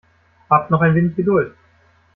Habt noch ein wenig Geduld.